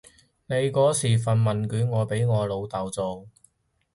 你嗰時份問卷我俾我老豆做